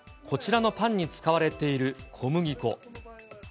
こちらのパンに使われている小麦粉。